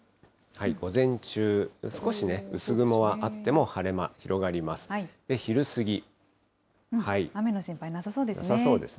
午前中、少し薄雲はあっても晴れ間、広がります。